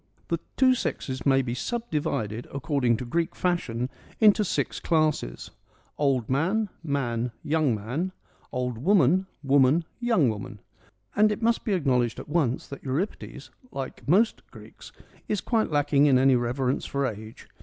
The two sexes may be sub divided, according to G 90 FEMINISM IN GREEK LITERATURE Greek fashion, into six classes : Old man, man, young man, old woman, woman, young woman ; and it must be acknowledged at once that Euripides, like most Greeks, is quite lacking in any reverence for age.